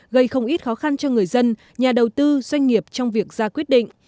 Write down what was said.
gây không ít khó khăn cho người dân nhà đầu tư doanh nghiệp trong việc ra quyết định